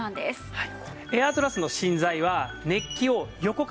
はい。